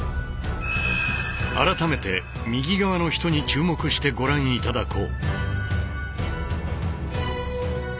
改めて右側の人に注目してご覧頂こう。